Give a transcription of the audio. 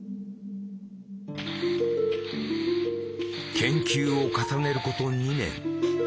研究を重ねること２年。